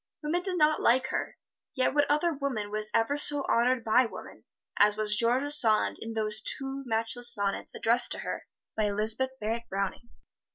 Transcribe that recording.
Women did not like her, yet what other woman was ever so honored by woman as was George Sand in those two matchless sonnets addressed to her by Elizabeth Barrett Browning?